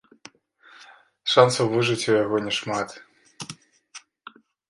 Шанцаў выжыць у яго не шмат.